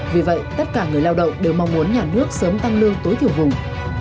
vì vậy tất cả người lao động đều mong muốn nhà nước sớm tăng lương tối thiểu vùng